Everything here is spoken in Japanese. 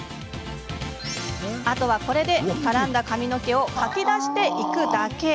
あとは、これで絡んだ髪の毛をかき出していくだけ。